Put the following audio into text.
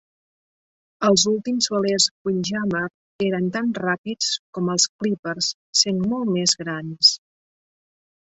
Els últims velers "windjammer" eren tan ràpids com els clípers, sent molt més grans.